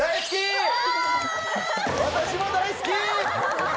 私も大好き！